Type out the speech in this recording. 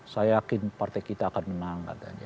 saya yakin partai kita akan menang